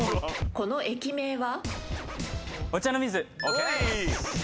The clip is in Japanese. この駅名は？